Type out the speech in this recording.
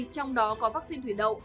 trong đó có vắc xin thủy đậu